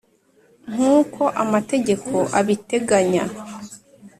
nk'uko amategeko abiteganya.